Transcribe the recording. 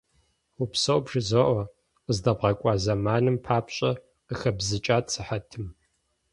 Упсэу бжызоӀэ, къыздэбгъэкӀуа зэманым папщӀэ, - къыхэбзыкӀат сыхьэтым.